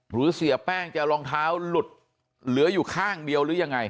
เสียแป้งจะรองเท้าหลุดเหลืออยู่ข้างเดียวหรือยังไง